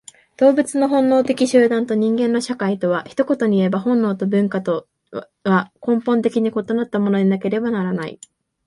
動物の本能的集団と人間の社会とは、一言にいえば本能と文化とは根本的に異なったものでなければならない。